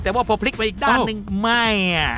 แต่ว่าพอพลิกไปอีกด้านหนึ่งไหม้